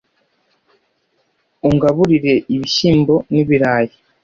ungaburire ibishyimbo nibirayi